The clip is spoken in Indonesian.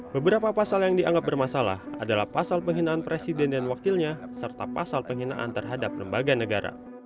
beberapa pasal yang dianggap bermasalah adalah pasal penghinaan presiden dan wakilnya serta pasal penghinaan terhadap lembaga negara